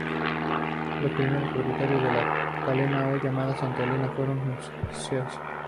Los primeros propietarios de La Calera hoy llamada Santa Elena, fueron los Sres.